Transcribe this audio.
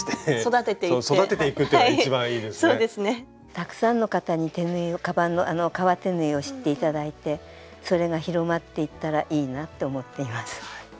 たくさんの方に手縫いをカバンの革手縫いを知って頂いてそれが広まっていったらいいなって思っています。